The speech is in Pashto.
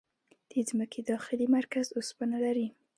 د ځمکې داخلي مرکز اوسپنه لري.